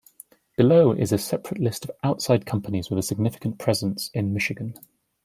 Below is a separate list of outside companies with a significant presence in Michigan.